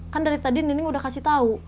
kan dari tadi nining udah kasih tau